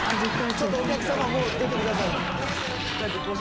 ちょっとお客様もう出てください。